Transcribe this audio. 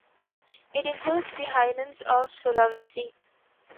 It includes the highlands of Sulawesi.